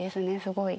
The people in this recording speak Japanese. すごい。